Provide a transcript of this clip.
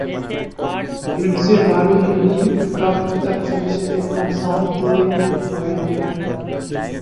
ہندسے معلوم نہیں کب تک فرشتے کا ساتھ دے پائیں گے۔